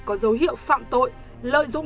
có dấu hiệu phạm tội lợi dụng